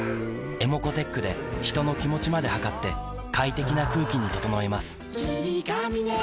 ｅｍｏｃｏーｔｅｃｈで人の気持ちまで測って快適な空気に整えます